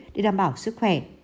để đảm bảo sức khỏe